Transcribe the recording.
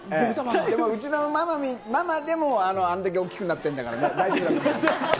うちのママでもあれだけ大きくなってるんだからね、大丈夫よ。